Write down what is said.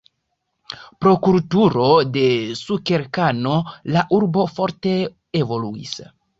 Pro kulturo de sukerkano la urbo forte evoluis.